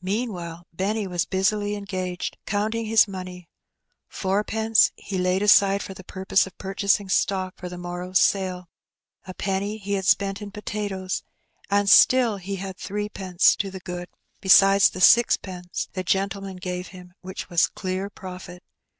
Meanwhile Benny was busily engaged counting his money. Fourpence he laid aside for the purpose of purchasing stock for the morrow's sale, a penny he had spent in potatoes, and still he had threepence to the good, besides the sixpence the gentleman gave him, which was clear profit.